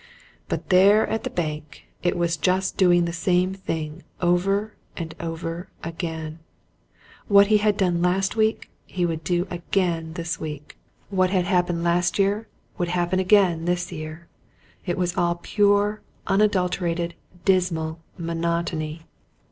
But there at the bank it was just doing the same thing over and over again: what he had done last week he would do again this week: what had happened last year would happen again this year. It was all pure, unadulterated, dismal monotony.